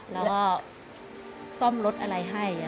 แล้วก็ซ่อมรถอะไรให้